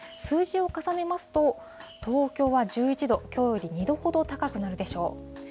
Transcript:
数字を重ねますと、東京は１１度、きょうより２度ほど高くなるでしょう。